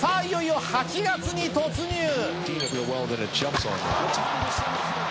いよいよ８月に突入。